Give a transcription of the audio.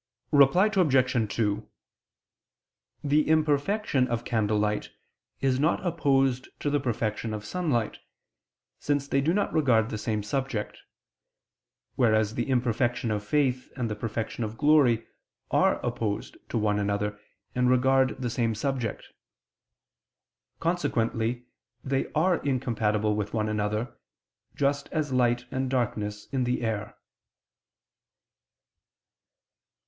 Reply Obj. 2: The imperfection of candlelight is not opposed to the perfection of sunlight, since they do not regard the same subject: whereas the imperfection of faith and the perfection of glory are opposed to one another and regard the same subject. Consequently they are incompatible with one another, just as light and darkness in the air.